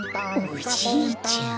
おじいちゃん。